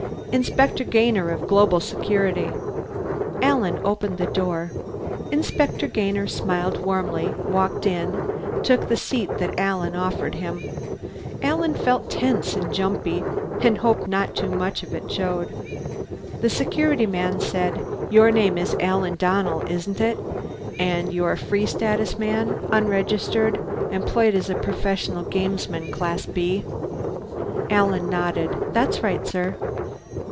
"Inspector Gainer of Global Security." Alan opened the door. Inspector Gainer smiled warmly, walked in, took the seat Alan offered him. Alan felt tense and jumpy, and hoped not too much of it showed. The Security man said, "Your name is Alan Donnell, isn't it? And you're a Free Status man, unregistered, employed as a professional gamesman Class B?" Alan nodded. "That's right, sir."